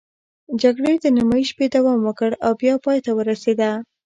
جګړې تر نیمايي شپې دوام وکړ او بیا پای ته ورسېده.